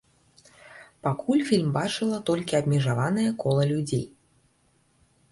Пакуль фільм бачыла толькі абмежаванае кола людзей.